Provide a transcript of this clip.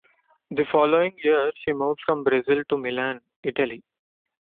The following year she moved from Brazil to Milan, Italy.